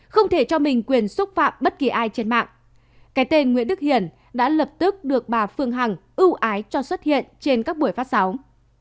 không thể cho mình quyền xúc phạm bất kỳ ai trên mạng cái tên nguyễn đức hiển đã lập tức được bà phương hằng ưu ái cho xuất hiện trên các buổi phát sóng